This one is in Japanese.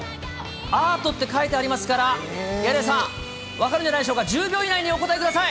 アートって書いてありますから、柳楽さん、分かるんじゃないでしょうか、１０秒以内にお答えください。